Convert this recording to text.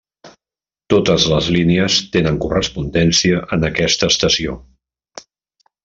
Totes les línies tenen correspondència en aquesta estació.